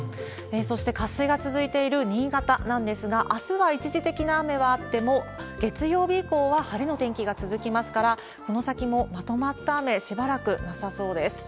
そして渇水が続いている新潟なんですが、あすは一時的な雨はあっても、月曜日以降は晴れの天気が続きますから、この先もまとまった雨、しばらくなさそうです。